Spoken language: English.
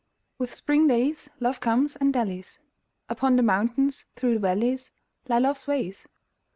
With spring days Love comes and dallies: Upon the mountains, through the valleys Lie Love's ways.